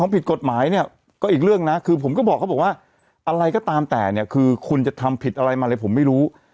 ผมก็บอกว่าอะไรก็ตามแต่เนี้ยคือคุณจะทำผิดอะไรมาแล้วผมไม่รู้